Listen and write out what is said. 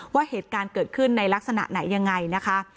ว่าเหตุการณ์เกิดขึ้นในลักษณะไหนยังไงนะคะ